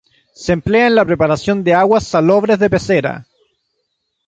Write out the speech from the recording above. Se emplea en la preparación de aguas salobres de pecera.